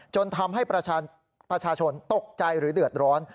จนทำให้ประชาชนตกใจหรือเดือดร้อน